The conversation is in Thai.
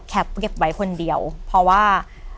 เก็บไว้คนเดียวเพราะว่า